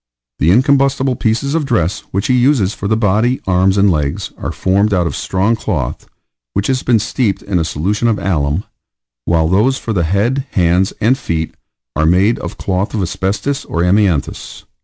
The incombustible pieces of dress which he uses for the body, arms, and legs, are formed out of strong cloth, which has been steeped in a solution of alum, while those for the head, hands, and feet, are made of cloth of asbestos or amianthus.